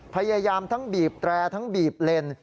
พยายามทั้งบีบแตรทั้งบีบเลน